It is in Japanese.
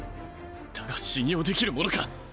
だが信用できるものか。